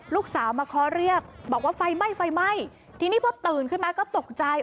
ลูกสาวมาคอเรียกบอกว่าไฟไหม้ไฟไหม้ทีนี้พอตื่นขึ้นมาก็ตกใจ